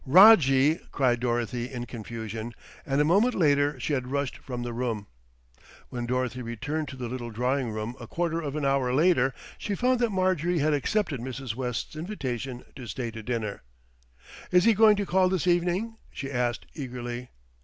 "Rojjie!" cried Dorothy in confusion, and a moment later she had rushed from the room. When Dorothy returned to the little drawing room a quarter of an hour later, she found that Marjorie had accepted Mrs. West's invitation to stay to dinner. "Is he going to call this evening?" she asked eagerly.